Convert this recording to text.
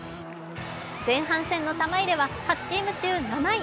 前半戦の玉入れは８チーム中７位。